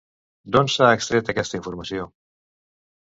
D'on s'ha extret aquesta informació?